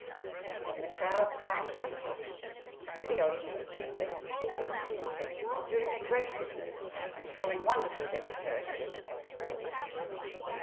Then the crowd parted a little, and through the opening they could see him distinctly, doing a great business and showing wonderful dexterity with the pasteboard.